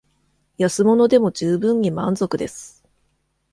安物でも充分に満足です